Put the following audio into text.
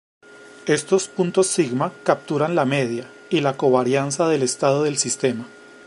Estos puntos sigma capturan la media y la covarianza del estado del sistema.